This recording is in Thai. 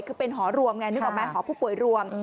คือเป็นหอรวมไงนึกออกไหมหอผู้ป่วยรวม